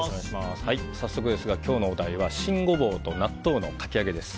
早速ですが今日のお題は新ゴボウと納豆のかき揚げです。